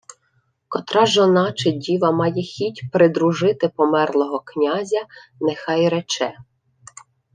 — Котра жона чи діва має хіть придружити померлого князя, нехай рече.